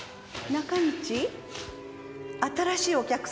中道新しいお客様？